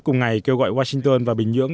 cùng ngày kêu gọi washington và bình nhưỡng